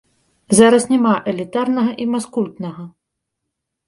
Зараз няма элітарнага і маскультнага.